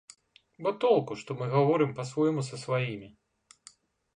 Бо толку што мы гаворым па-свойму са сваімі?